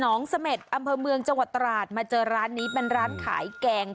เสม็ดอำเภอเมืองจังหวัดตราดมาเจอร้านนี้เป็นร้านขายแกง